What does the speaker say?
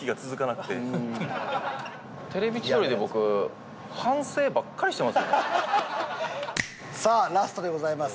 『テレビ千鳥』で僕さあラストでございます。